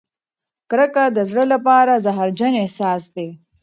کرکه د زړه لپاره زهرجن احساس دی.